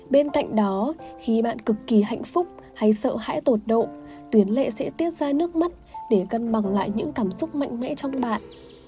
bên cạnh đó khi bạn cực kỳ hạnh phúc hay sợ hãi tột độ tuyến lệ sẽ tiết ra nước mắt để cân bằng lại những cảm xúc mạnh mẽ trong bạn